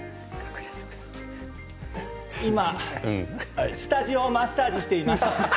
今、スタジオをマッサージしています。